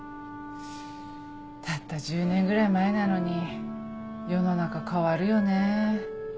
たった１０年ぐらい前なのに世の中変わるよねぇ。